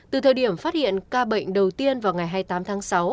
từ thời điểm phát hiện ca bệnh đầu tiên vào ngày hai mươi tám tháng sáu